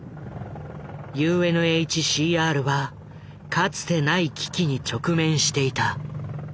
ＵＮＨＣＲはかつてない危機に直面していた。